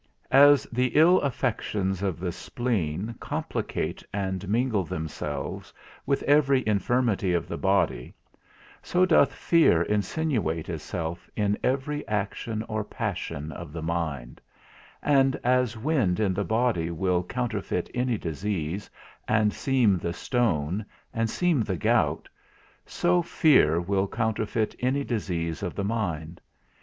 As the ill affections of the spleen complicate and mingle themselves with every infirmity of the body, so doth fear insinuate itself in every action or passion of the mind; and as wind in the body will counterfeit any disease, and seem the stone, and seem the gout, so fear will counterfeit any disease of the mind.